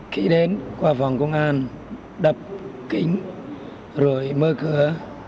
khi đến qua phòng công an đập kính rồi mơ cửa